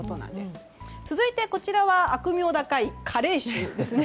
続いて、悪名高い加齢臭ですね。